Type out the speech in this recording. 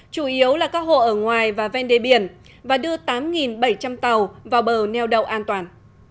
chủ yếu là các hộ ở ngoài và ven đê biển và đưa tám bảy trăm linh tàu vào bờ neo đậu an toàn